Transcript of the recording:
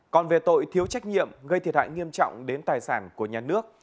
còn về tội thiếu trách nhiệm gây thiệt hại nghiêm trọng đến tài sản của nhà nước